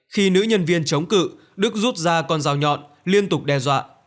khi nữ nhân viên chống cự đức rút ra con dao nhọn liên tục đe dọa